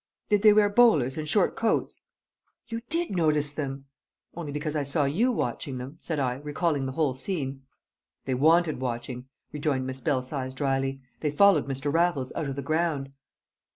"Did they wear bowlers and short coats?" "You did notice them!" "Only because I saw you watching them," said I, recalling the whole scene. "They wanted watching," rejoined Miss Belsize dryly. "They followed Mr. Raffles out of the ground!"